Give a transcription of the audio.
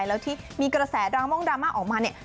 แล้วที่มีกระแสดรามงค์ดรามมะออกมาสิ